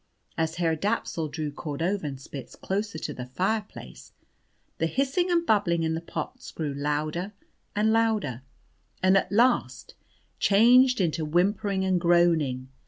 As Herr Dapsul drew Cordovanspitz closer to the fire place, the hissing and bubbling in the pots grew louder and louder, and at last changed into whimpering and groaning.